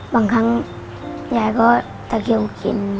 บางครั้งยายก็ตะเคียวเข็น